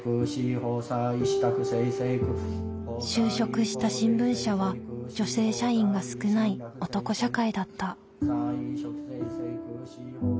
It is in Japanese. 就職した新聞社は女性社員が少ない男社会だった。